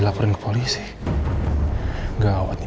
tapi gak kebutuhan banget